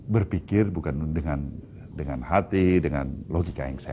berpikir bukan dengan hati dengan logika yang sehat